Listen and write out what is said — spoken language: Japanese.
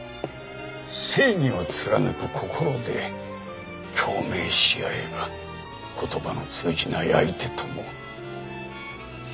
正義を貫く心で共鳴し合えば言葉の通じない相手とも。